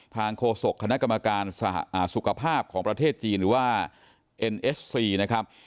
โฆษกคณะกรรมการสุขภาพของประเทศจีนหรือว่าเอ็นเอสซีนะครับ